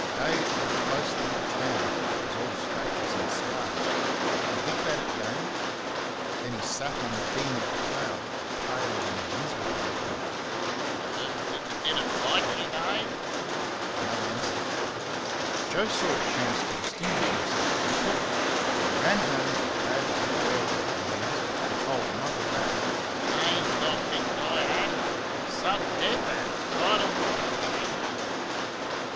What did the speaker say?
Dave looked closely at his hand, which was all scratches and scars. He looked at it again; then he sat on the beam of the plough, pale and miserable looking. "D d did it bite y', Dave?" No answer. Joe saw a chance to distinguish himself, and took it. He ran home, glad to be the bearer of the news, and told Mother that "Dave's got bit by a adder a sudden death adder right on top o' the finger."